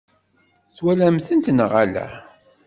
Twalamt-tent neɣ ala?